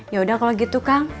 yaudah kalau gitu kang